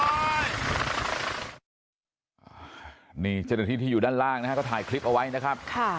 ก็คงจะพูดกับเจ้าหน้าที่ที่อยู่บนฮอร์ดด้านบนด้วยวอดด้วยสัญญาณวิทยุอะไรพวกนี้นะครับ